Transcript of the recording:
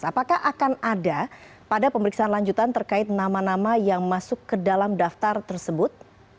apakah akan ada pada pemeriksaan lanjutan terkait nama nama yang masuk ke dalam daftar tersebut